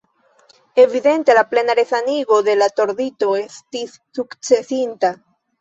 Evidente la plena resanigo de la tordito estis sukcesinta.